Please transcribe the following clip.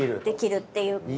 できるっていう。